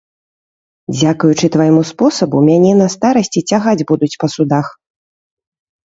Дзякуючы твайму спосабу мяне на старасці цягаць будуць па судах.